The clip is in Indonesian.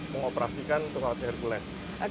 mengoperasikan pesawat hercules